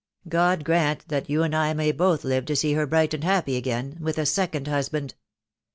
God grant that you and I may both live to see her bright and happy again — with a second husband.